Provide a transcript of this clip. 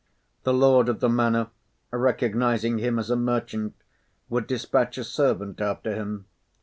The lord of the manor, recognising him as a merchant, would despatch a servant after him.